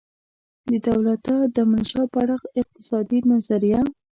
د دولته دمنشا په اړه اقتصادي نظریه